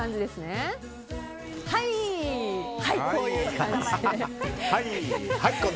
はい、こういう感じで。